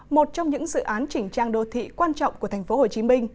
một trong những dự án chỉnh trang đô thị quan trọng của tp hcm